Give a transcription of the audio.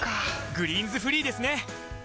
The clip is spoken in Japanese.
「グリーンズフリー」ですね！